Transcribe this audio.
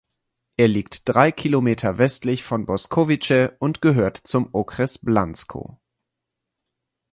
Er liegt drei Kilometer westlich von Boskovice und gehört zum Okres Blansko.